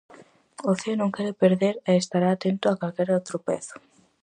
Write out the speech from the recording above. O Cee non quere perder e estará atento a calquera tropezo.